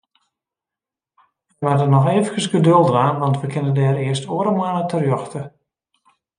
Wy moatte noch eefkes geduld dwaan, want we kinne dêr earst oare moanne terjochte.